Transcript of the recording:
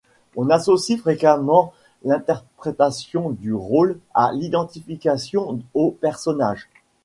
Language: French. On associe fréquemment l'interprétation du rôle à l'identification au personnage.